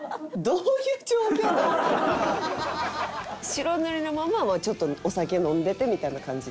白塗りのままちょっとお酒飲んでてみたいな感じ？